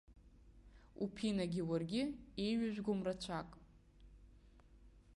Уԥинагьы уаргьы еиҩыжәгом рацәак!